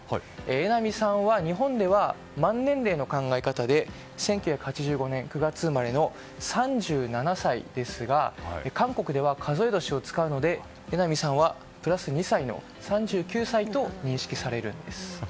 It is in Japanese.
榎並さんは日本では満年齢の考え方で１９８５年９月生まれの３７歳ですが韓国では数え年を使うので榎並さんは、プラス２歳の３９歳と認識されるんです。